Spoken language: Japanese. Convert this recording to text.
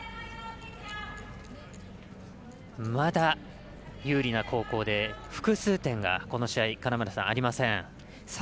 まだ有利な後攻で複数点が、この試合金村さん、ありません。